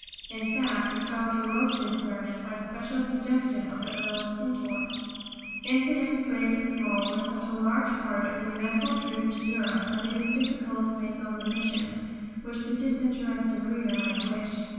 In fact the Doctor wrote this sermon by special suggestion of the Earl of Kintore. Incidents great and small were such a large part of the eventful trip to Europe that it is difficult to make those omissions which the disinterested reader might wish.